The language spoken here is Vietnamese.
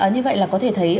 như vậy là có thể thấy